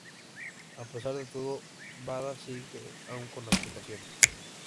A pesar de todo, Bada sigue aún con aplicaciones.